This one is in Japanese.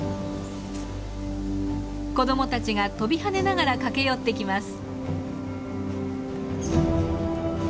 子どもたちが跳びはねながら駆け寄ってきます。